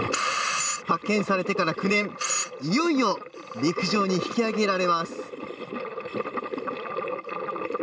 発見されてから９年、いよいよ陸上に引き揚げられます。